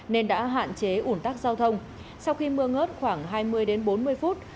nên đã hạn chế ủn tắc giao thông sau khi mưa ngớt khoảng hai mươi đến bốn mươi phút